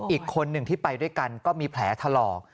อีกคนหนึ่งที่ไปด้วยกันก็มีแผลถลอก